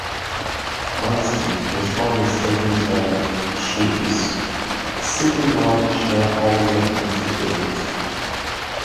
Vanstone responded stating that she is 'simply one shareholder in the business'.